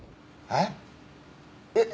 えっ？